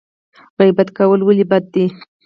غیبت کول ولې بد دي؟